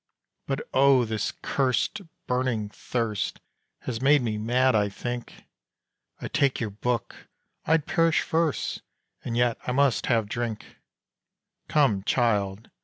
"But oh! this cursed, burning thirst, Has made me mad, I think; I take your book! I'd perish first And yet I must have drink! "Come, child!